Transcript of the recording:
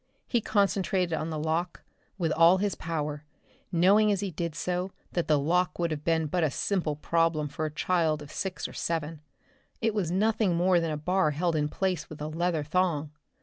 He concentrated on the lock with all his power, knowing as he did so that the lock would have been but a simple problem for a child of six or seven. It was nothing more than a bar held in place with a leather thong.